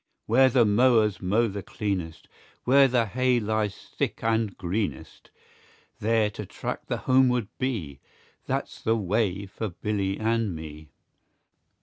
Where the mowers mow the cleanest, Where the hay lies thick and greenest, There to trace the homeward bee, That's the way for Billy and me.